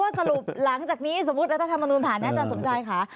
ว่าสรุปหลังจากนี้สมมุติแล้วถ้าทำมนุษย์ผ่านเนี่ยอาจารย์สนใจค่ะ